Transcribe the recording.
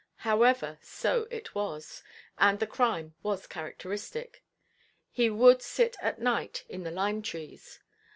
However, so it was, and the crime was characteristic. He would sit at night in the lime–trees.